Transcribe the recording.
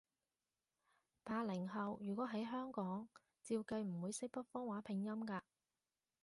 八零後，如果喺香港，照計唔會識北方話拼音㗎